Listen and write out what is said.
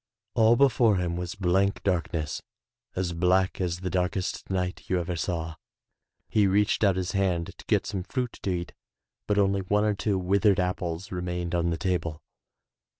All before him was blank darkness, as black as the darkest night you ever saw. He reached out his hand to get some fruit to eat, but only one or 40 THROUGH FAIRY HALLS two withered apples remained on the table.